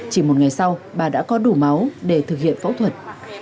chỉ một ngày sau bà đã có đủ máu để thực hiện phẫu thuật